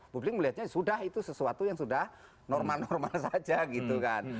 publik melihatnya sudah itu sesuatu yang sudah normal normal saja gitu kan